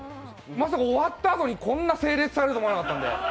まさか終わったあとにこんな整列するとは思ってなかったんで。